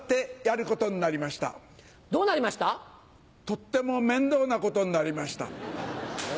とってもメンドウなことになりました。